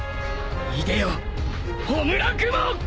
いでよ焔雲！